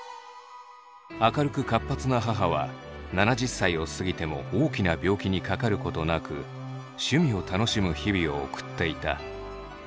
明るく活発な母は７０歳を過ぎても大きな病気にかかることなく趣味を楽しむ日々を送っていた。